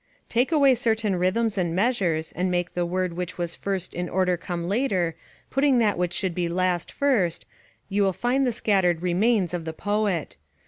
["Take away certain rhythms and measures, and make the word which was first in order come later, putting that which should be last first, you will still find the scattered remains of the poet."